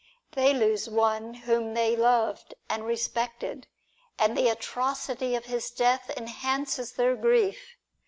They lose one whom they loved and respected; and the atrocity of his death enhances their grief.